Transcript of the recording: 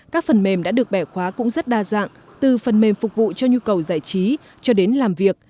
các phần mềm đã được bẻ khóa cũng rất đa dạng từ phần mềm phục vụ cho nhu cầu giải trí cho đến làm việc